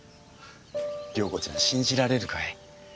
遼子ちゃん信じられるかい？